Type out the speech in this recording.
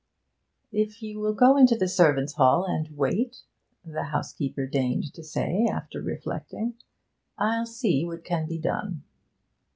'If you will go in to the servants' hall and wait,' the housekeeper deigned to say, after reflecting, 'I'll see what can be done.'